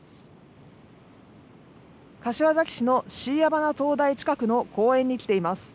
柏崎市の椎谷鼻灯台近くの公園に来ています。